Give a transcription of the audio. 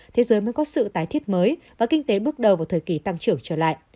thế giới mới có sự tái thiết mới và kinh tế bước đầu vào thời kỳ tăng trưởng trở lại